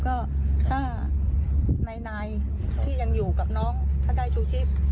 ก็ถ้านายที่ยังอยู่กับน้องถ้าได้ชูชีพ